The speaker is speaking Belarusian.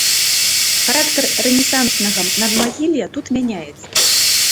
Характар рэнесанснага надмагілля тут мяняецца.